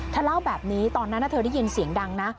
เล่าแบบนี้ตอนนั้นเธอได้ยินเสียงดังนะ